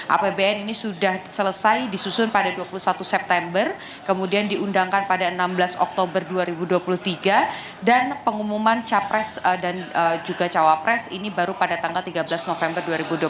apbn ini sudah selesai disusun pada dua puluh satu september kemudian diundangkan pada enam belas oktober dua ribu dua puluh tiga dan pengumuman capres dan juga cawapres ini baru pada tanggal tiga belas november dua ribu dua puluh